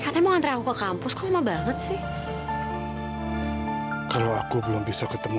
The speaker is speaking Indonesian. sampai jumpa di video selanjutnya